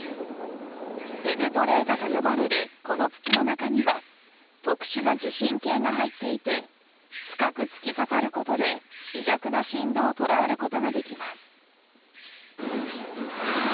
ペネトレータと呼ばれるこの筒の中には特殊な地震計が入っていて深く突き刺さることで微弱な震動を捉えることができます。